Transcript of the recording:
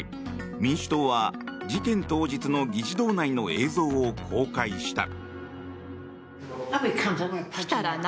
民主党は事件当日の議事堂内の映像を公開した。